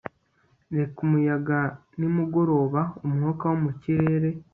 reka umuyaga nimugoroba, umwuka wo mu kirere